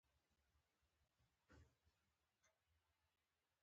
پر مځکه یې کښېږده!